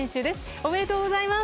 おめでとうございます。